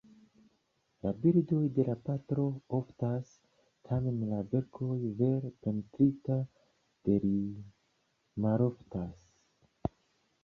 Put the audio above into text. La bildoj de la patro oftas, tamen la verkoj vere pentrita de li maloftas!